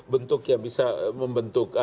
bentuk yang bisa membentuk